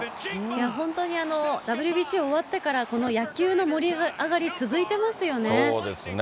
本当にＷＢＣ終わってから、この野球の盛り上がり、続いてまそうですね。